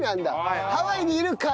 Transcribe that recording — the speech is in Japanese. ハワイにいる貝。